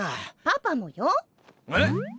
パパもよ。えっ！